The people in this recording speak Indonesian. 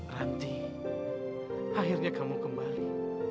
ranti akhirnya kamu kembali